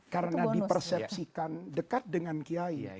karena di persepsikan dekat dengan kiai